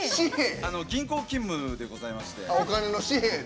銀行勤務でございまして。